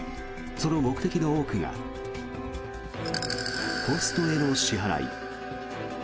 その目的の多くがホストへの支払い。